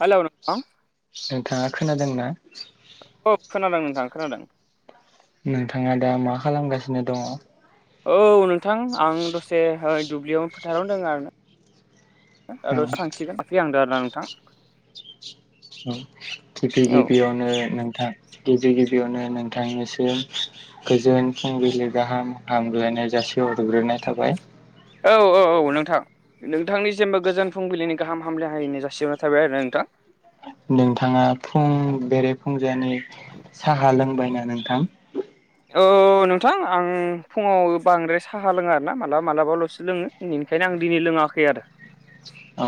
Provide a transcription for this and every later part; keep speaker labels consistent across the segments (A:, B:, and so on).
A: Hello नों
B: नोंथाङा खोनादोंना?
A: औ खोनादों नोंथां खोनादों
B: नोंथाङा दा मा खालामगासिनो दङ
A: औ नोंथां आं दसे ओइ दुब्लियाव फोथारावनो दोङो आरो ना [unintelligible] सो थांसिगोन [unintelligible] नोंथां
B: [unintelligible] गिबि
A: औ
B: गिबियावनो नोंथां गिबि गिबियावनो नोंथांनिसिम गोजोन फुंबिलि गाहाम हामग्लायनाय जासि हरग्रोनाय थाबाय
A: औ औ औ नोंथां नोंथांनिसिमबो गोजोन फुंबिलिनि गाहाम हामलाय हाय [unintelligible] जासिहरनाय थाबाय आरो ना नोंथां
B: नोंथाङा फुं बेरे फुंजानि साहा लोंबायना नोंथां
A: औ नोंथां आं फुङाव बांद्राय साहा लोङा आरोना मालाबा मालाबाल'सो लोङो इनिखायनो आं दिनै लोङाखै आरो
B: औ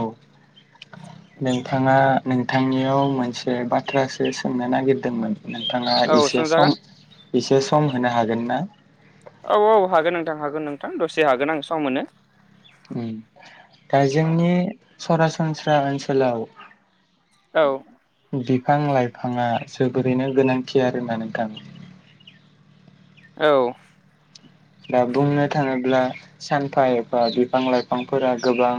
B: नोंथाङा नोंथांनियाव मोनसे बाथ्रासो सोंनो नागिरदोंमोन नोंथाङा
A: औ
B: एसे सम
A: सोंजागोन
B: एसे सम होनो हागोन ना
A: औ औ हागोन नोंथां हागोन नोंथां दसे हागोन आं सम मोनो
B: उ दा जोंनि सरासनस्रा ओनसोलाव
A: औ
B: बिफां लाइफाङा जोबोरैनो गोनांखि आरो ना नोंथां
A: औ
B: दा बुंनो थाङोब्ला सानफा एफा बिफां लाइफांफोरा गोबां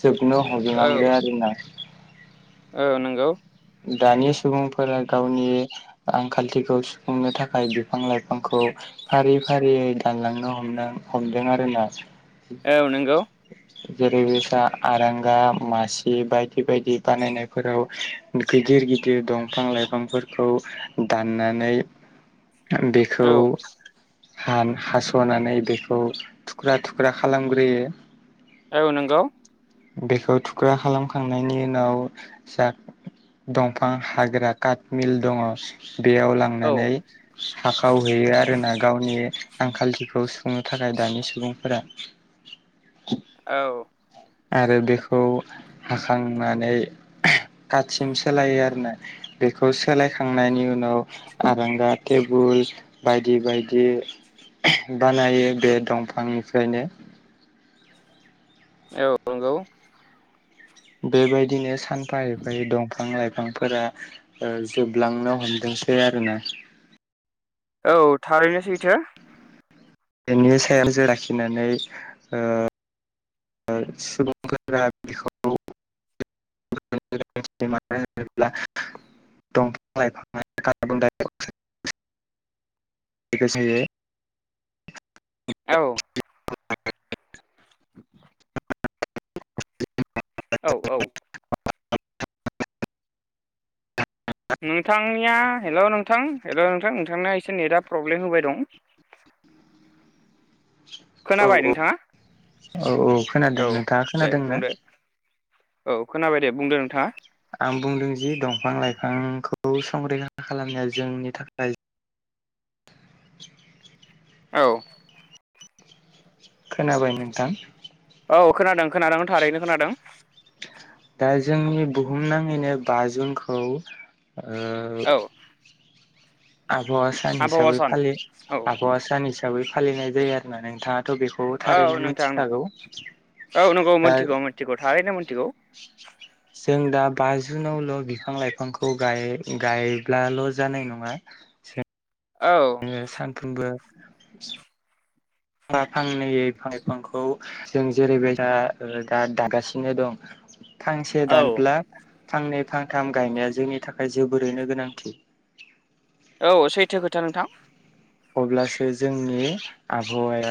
B: जोबनो हबलांदों आरो ना
A: ओ नंगौ
B: दानि सुबुंफोरा गावनि आंखालथिखौ सुफुंनो थाखाय बिफां लाइफांखौ फारि फारियै दानलांनो हमदों हमदों आरोना
A: औ नोंगौ
B: जेरैबायसा आरांगा मासि बायदि बायदि बानायनायफोराव गिदिर गिदिर दंफां-लाइफांफोरखौ दाननानै बेखौ
A: औ
B: हान हास'नानै बेखौ थुख्रा थुख्रा खालामग्रोयो
A: औ नोंगौ
B: बेखौ थुख्रा खालामखांनायनि उनाव जा दंफां हाग्रा काटमिल दङ बेयाव
A: औ
B: लांनानै हाखाव हैयो आरोना गावनि आंखालथिखौ सुफुंनो थाखाय दानि सुबुंफोरा
A: औ
B: आरो बेखौ हाखांनानै खाथिसिम सोलायो आरोना बेखौ सोलायखांनायनि उनाव आरांगा टेबोल बायदि बायदि बानायो बे दंफांनिफ्रायनो
A: औ नंगौ
B: बेबायदिनो सानफा एफायै दंफां लाइफांफोरा ओ जोबलांनो हमदोंसै आरो ना
A: औ थारैनो सैथो
B: बेनि सायाव जो लाखिनानै ओ सुबुंफोरा बेखौ [unintelligible] दंफां लायफां [unintelligible]
A: औ औ औ नोंथांनिया हेल' नोंथां हेल' नोंथां नोंथांनिया एसे नेटआ प्रब्लेम होबाय दं खोनाबाय
B: औ
A: नोंथाङा
B: औ खोनादों
A: औ
B: नोंथाङा
A: दे
B: खोनादोंना
A: बुंदो औ खोनाबाय दे बुंदो नोंथाङा
B: आं बुंदों जि दंफां लाइफांखौ संरैखा खालामनाया जोंनि थाखाय
A: औ
B: खोनाबाय नोंथां
A: औ खोनादों खोनादों थारैनो खोनादों
B: दा जोंनि बुहुम नाङैनो बा जुनखौ ओ
A: औ
B: आबहावा सान
A: आबहावा
B: हिसाबै
A: सान
B: फालि
A: औ
B: आबहावा सान हिसाबै फालिनाय जायो आरोना नोंथाङाथ' बेखौ
A: औ
B: थारैनो
A: नोंथां नोंथां
B: मिथिखागौ
A: औ नंगौ
B: दा
A: मोनथिगौ मोनथिगौ थारैनो मोनथिगौ
B: [unintelligible] जों दा बाजुनावल' बिफां लाइफांखौ गाय गायब्लाल' जानाय नङा [unintelligible]
A: औ
B: जोङो सानफ्रोमबो फांफा फांनैै बिफां लाइफांखौ जों जेरैबायदा दा दागासिनो दं फांसे
A: औ
B: दानब्ला फांनै फांथाम गायनाया जोंनि थाखाय जोबोरैनो गोनांथि
A: औ सैथो खोथा नोंथां
B: अब्लासो जोंनि आबहावाया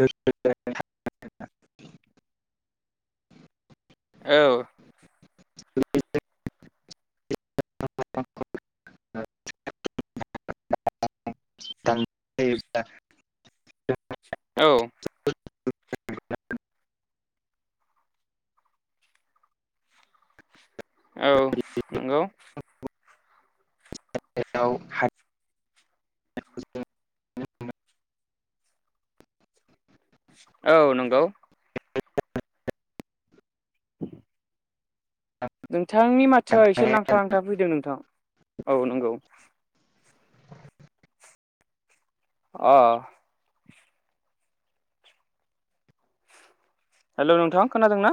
B: गोगो
A: औ
B: [unintelligible] [unintelligible]
A: औ औ नंगौ
B: बेयाव हाय
A: औ नंगौ नोंथांनि माथोआ एसे
B: दानफायनाय
A: नांथा नांथा फैदों नोंथां औ नंगौ अ हेलौ नोंथां खोनादों ना